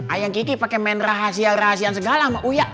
ayang kiki pakai main rahasia rahasian segala sama uya